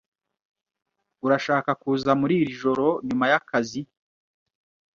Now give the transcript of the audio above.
Urashaka kuza muri iri joro nyuma yakazi?